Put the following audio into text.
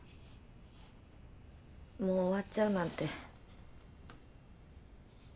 もう終わっちゃうなんて。